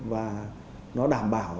và nó đảm bảo